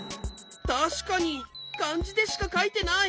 たしかにかんじでしかかいてない。